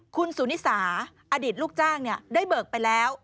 คุณสุนิสาอดีตลูกจ้างได้เบิกไปแล้ว